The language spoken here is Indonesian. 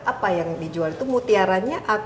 apa yang dijual itu mutiaranya atau memang suatu produk